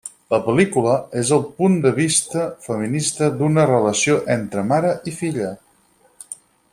La pel·lícula és el punt de vista feminista d'una relació entre mare i filla.